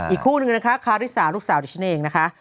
อีกคู่นึงนะคะคาริสาลูกสาวดิฉันเองนะคะ